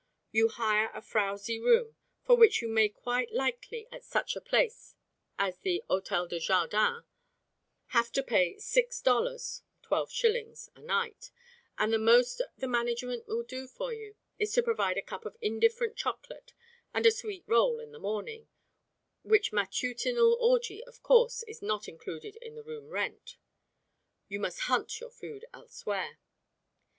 You hire a frowsy room, for which you may quite likely at such a place as the Hôtel de Jardin have to pay six dollars (twelve shillings) a night, and the most the management will do for you is to provide a cup of indifferent chocolate and a sweet roll in the morning, which matutinal orgy, of course, is not included in the room rent. You must "hunt" your food elsewhere.